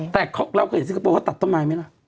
แต่เราเคยเห็นซิงคโปร์เขาตัดต้นไม้ไหมล่ะ